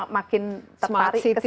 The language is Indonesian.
makin terparik ke situ